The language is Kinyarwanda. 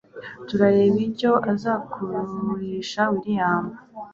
tukareba icyo azakururisha william